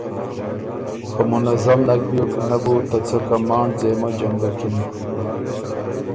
خه منظم نک بیوک، نۀ بُو ته څه کمانډ ځېمه جنګکِن،